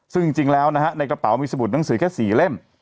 ซึ่งจริงแล้วนะฮะในกระเป๋ามีสมุดหนังสือแค่๔เล่ม